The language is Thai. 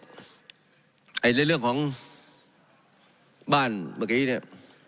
ในเรื่องของบ้านเมื่อกี้เนี่ย